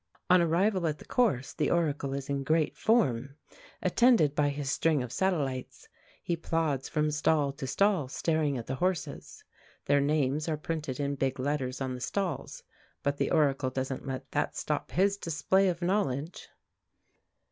On arrival at the course, the Oracle is in great form. Attended by his string of satellites, he plods from stall to stall staring at the horses. Their names are printed in big letters on the stalls, but the Oracle doesn't let that stop his display of knowledge.